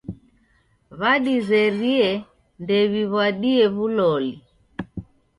W'adizerie ndew'iw'adie w'uloli.